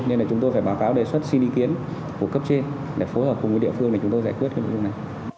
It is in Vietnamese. nên là chúng tôi phải báo cáo đề xuất xin ý kiến của cấp trên để phối hợp cùng với địa phương để chúng tôi giải quyết cái nội dung này